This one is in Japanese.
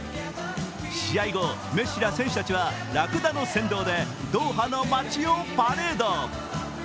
試合後メッシら選手は、らくだの先導でドーハの街をパレード。